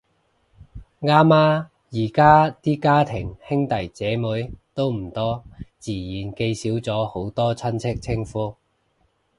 啱呀，而家啲家庭兄弟姊妹都唔多，自然記少咗好多親戚稱呼